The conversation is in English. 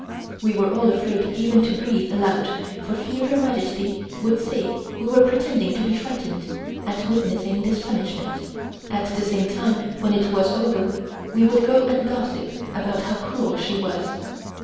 We were all afraid even to breathe aloud for fear Her Majesty would say that we were pretending to be frightened at witnessing this punishment, at the same time when it was over we would go and gossip about how cruel she was.